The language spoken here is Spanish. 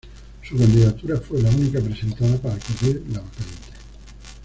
Su candidatura fue la única presentada para cubrir la vacante.